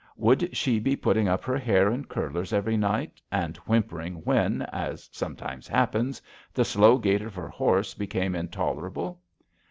Would she be putting up her hair in curlers every night, and whimpering when, as sometimes happens, the slow gait of her horse became intolerable?